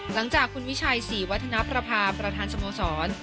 หลังจากคุณวิชัยศรีวัฒนประพาประธานสโมสร